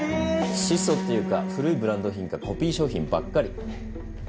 質素っていうか古いブランド品かコピー商品ばっかり。